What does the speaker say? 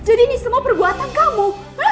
jadi ini semua perbuatan kamu